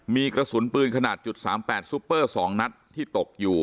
มีกระสุนปืนขนาด๓๘ซุปเปอร์๒นัดที่ตกอยู่